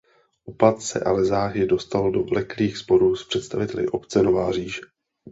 Opat se ale záhy dostal do vleklých sporů s představiteli obce Nová Říše.